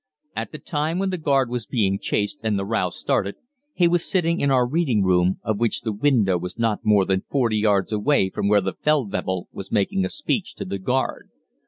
At the time when the guard was being changed and the row started, he was sitting in our reading room, of which the window was not more than 40 yards away from where the Feldwebel was making a speech to the guard.